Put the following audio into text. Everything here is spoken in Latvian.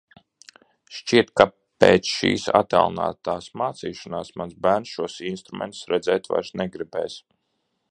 Šķiet, ka pēc šīs attālinātās mācīšanās mans bērns šos instrumentus redzēt vairs negribēs...